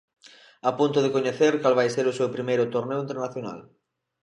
A punto de coñecer cal vai ser o seu primeiro torneo internacional.